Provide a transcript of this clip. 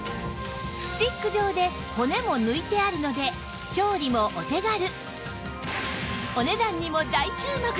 スティック状で骨も抜いてあるので調理もお手軽